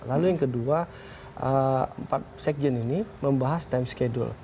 lalu yang kedua empat sekjen ini membahas time schedule